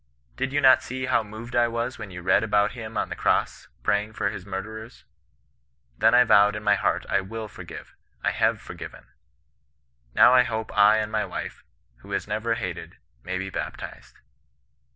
Did you not see how moved I was when you read about him on the cross praying for his murderers ? Then I vowed in my heart I wiU forgive ; I have forgiven. Now I hope I and my wife, who has never hated, may be baptized.'